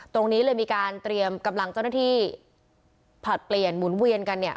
ตรงนี้เลยมีการเตรียมกำลังเจ้าหน้าที่ผลัดเปลี่ยนหมุนเวียนกันเนี่ย